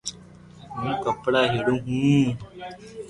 ھون ڪپڙا ھيڙيو ھون